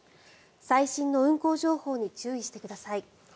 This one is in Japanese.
最新の運行情報に注意してください。